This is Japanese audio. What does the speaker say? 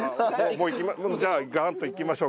もうじゃあガンといきましょうか？